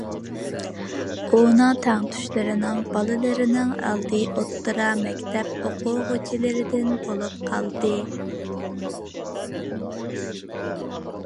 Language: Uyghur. ئۇنىڭ تەڭتۇشلىرىنىڭ بالىلىرىنىڭ ئالدى ئوتتۇرا مەكتەپ ئوقۇغۇچىلىرىدىن بولۇپ قالدى.